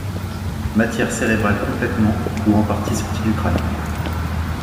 Matière cérébrale complètement ou en partie sortie du crâne.